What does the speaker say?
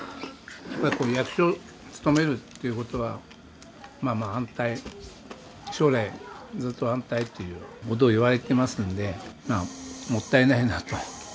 役所に勤めるっていう事はまあまあ安泰将来ずっと安泰という事をいわれてますんでもったいないなと。